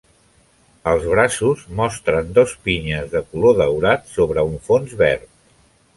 Els braços mostren dos pinyes de color daurat sobre un fons verd.